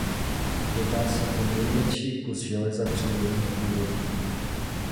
Jedná se o největší kus železa přírodního původu.